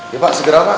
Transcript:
ya pak segera pak